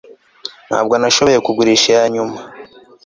Ntabwo nashoboye kugurisha iyanyuma